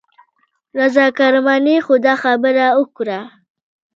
رضا کرماني خو دا خبره وکړه.